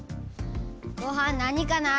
ごはんなにかな？